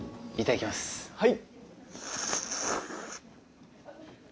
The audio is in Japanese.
はい。